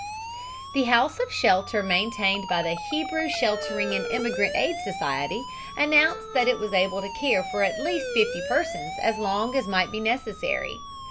The House of Shelter maintained by the Hebrew Sheltering and Immigrant Aid Society announced that it was able to care for at least fifty persons as long as might be necessary.